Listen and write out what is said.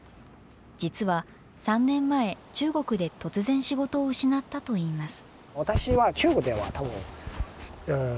実は３年前、中国で突然仕事を失ったといいます。